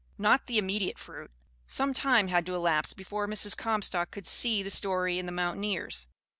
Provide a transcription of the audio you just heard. Not the immediate fruit; some time had to elapse before Mrs. Comstock could "see" the story in the mountaineers.